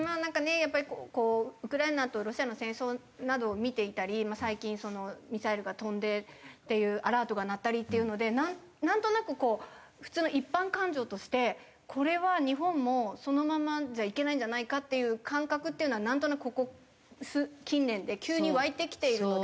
やっぱりこうウクライナとロシアの戦争などを見ていたり最近ミサイルが飛んでっていうアラートが鳴ったりっていうのでなんとなく普通の一般感情としてこれは日本もそのままじゃいけないんじゃないかっていう感覚っていうのはなんとなくここ近年で急に湧いてきているので。